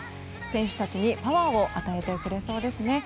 選手たちにパワーを与えてくれそうですね。